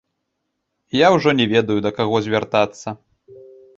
Я ўжо не ведаю, да каго звяртацца.